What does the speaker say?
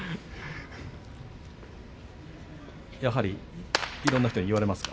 やはり、いろんな人に言われますか？